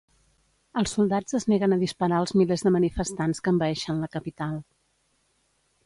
Els soldats es neguen a disparar als milers de manifestants que envaeixen la capital.